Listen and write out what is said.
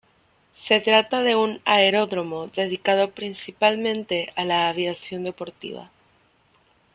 Se trata de un aeródromo dedicado principalmente a la aviación deportiva.